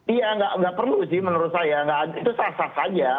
iya nggak perlu sih menurut saya itu sah sah saja